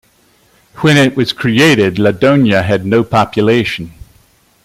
When it was created, Ladonia had no population.